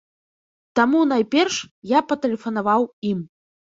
Таму найперш я патэлефанаваў ім.